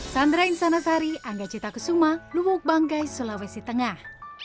sandra insanasari angga cita kesuma lubuk banggai sulawesi tengah